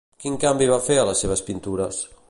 Quin canvi va fer a les seves pintures?